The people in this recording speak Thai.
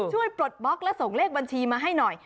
ปลดบล็อกและส่งเลขบัญชีมาให้หน่อย